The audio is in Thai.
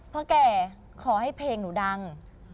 แก่ขอให้เพลงหนูดัง